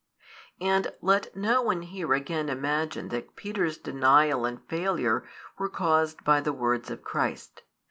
And let no one here again imagine that Peter's denial and failure were caused by the words of Christ.